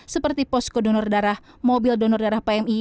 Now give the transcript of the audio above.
seperti posko donor darah mobil donor darah pmi